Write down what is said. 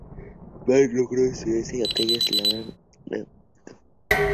Vanderbilt logró escabullirse de aquellos que buscaban arrestarlo y confiscar su embarcación.